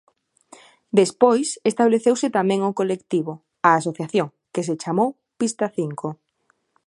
Despois estableceuse tamén o colectivo, a asociación, que se chamou Pistacinco.